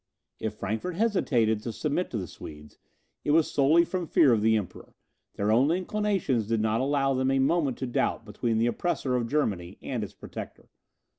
If Frankfort hesitated to submit to the Swedes, it was solely from fear of the Emperor; their own inclinations did not allow them a moment to doubt between the oppressor of Germany and its protector.